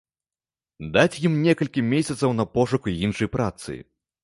Даць ім некалькі месяцаў на пошук іншай працы.